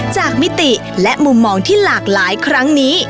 มิติและมุมมองที่หลากหลายครั้งนี้